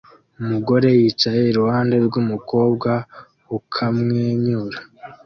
Umugore yicaye iruhande rwumukobwa ukamwenyura